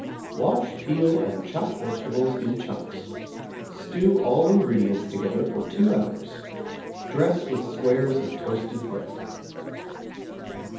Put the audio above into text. Wash, peel, and chop vegetables in chunks. Stew all ingredients together for 2 hours. Dress with squares of toasted bread.